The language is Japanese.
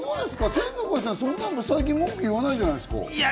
天の声さん、最近あんまり文句言わないじゃないですか。